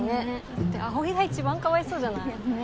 だって葵が一番かわいそうじゃない？ね？